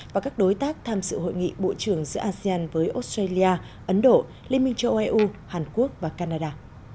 và các đối tác tham sự hội nghị bộ trưởng giữa asean với australia ấn độ liên minh châu âu eu hàn quốc và canada